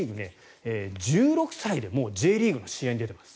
１６歳でもうＪリーグの試合に出ています。